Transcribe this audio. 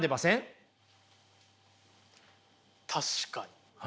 確かに。